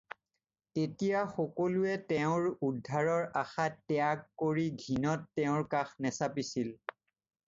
তেতিয়া সকলোৱে তেওঁৰ উদ্ধাৰৰ আশা ত্যাগ কৰি ঘিণত তেওঁৰ কাষ নেচাপিছিল